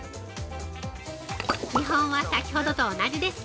基本は先ほどと同じです。